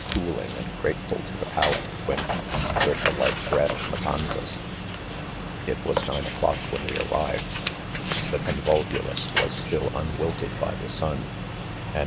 cooling and grateful to the palate, when eaten with the light bread of Matanzas, It was nine o'clock when we arrived* The convolvulus was still unwiltedby the sun, and